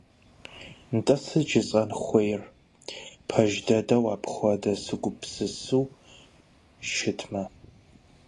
НтӀэ, сыт жысӀэн хуейр, пэж дыдэу апхуэдэу сегупсысу щытмэ?